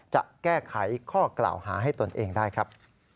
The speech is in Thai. จะแก้ไขข้อกล่าวหาให้ตนเองได้ครับ